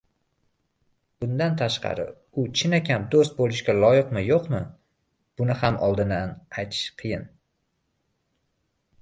Bundan tashqari, u chinakam doʻst boʻlishga loyiqmi-yoʻqmi – buni ham oldindan aytish qiyin.